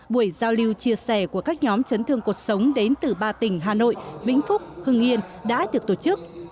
buổi giao lưu chia sẻ của các nhóm chấn thương cuộc sống đến từ ba tỉnh hà nội vĩnh phúc hưng yên đã được tổ chức